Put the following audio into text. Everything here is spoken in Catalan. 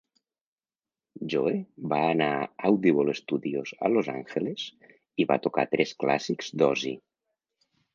Joe va anar a Audible Studios a Los Angeles i va tocar tres clàssics d'Ozzy.